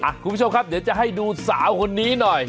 คุณผู้ชมครับเดี๋ยวจะให้ดูสาวคนนี้หน่อย